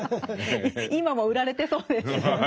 今も売られてそうですよね。